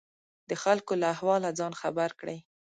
د خلکو له احواله ځان خبر کړي.